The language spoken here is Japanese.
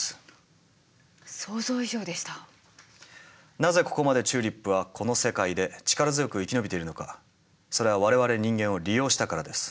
なぜここまでチューリップはこの世界で力強く生き延びてるのかそれは我々人間を利用したからです。